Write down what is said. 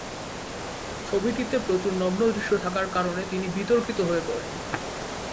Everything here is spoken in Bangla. ছবিটিতে প্রচুর নগ্ন দৃশ্য থাকার কারণে তিনি বিতর্কিত হয়ে পড়েন।